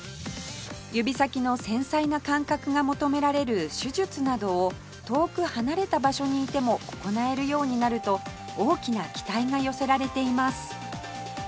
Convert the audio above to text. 指先の繊細な感覚が求められる手術などを遠く離れた場所にいても行えるようになると大きな期待が寄せられています